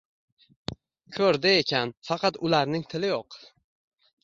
ko'rdi ekan?.. Faqat ularning tili yo'q...